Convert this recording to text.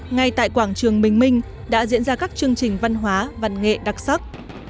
ngay tại quảng trường bình minh đã diễn ra các chương trình văn hóa văn nghệ đặc sắc